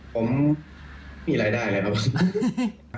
ผมมีรายได้เลยครับ